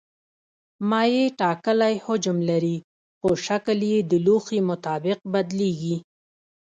مایع ټاکلی حجم لري خو شکل یې د لوښي مطابق بدلېږي.